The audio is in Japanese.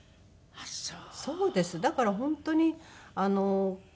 あっそう。